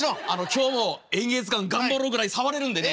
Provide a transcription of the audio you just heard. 今日も「演芸図鑑」頑張ろうぐらい触れるんでね